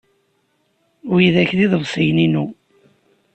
Widak d iḍebsiyen-inu.